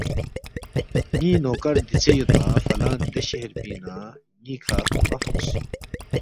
ن٘ی نوکر دِیژے یودپا فلان دے شہر پِنگ نہ ن٘ی کھہ ہرکُونمہ فوقس